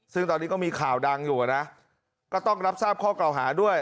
ซึ่งตอนนี้ก็มีข่าวดังอยู่นะก็ต้องรับทราบข้อเก่าหาด้วย